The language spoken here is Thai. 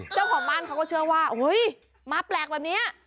เจ้าของบ้านเขาก็เชื่อว่าเฮ้ยมาแปลกแบบนี้